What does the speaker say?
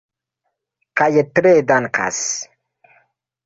Kaj tre dankas.